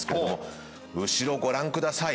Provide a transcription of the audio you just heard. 後ろご覧ください。